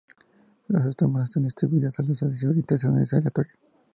Los estomas están distribuidos al azar y su orientación es aleatoria.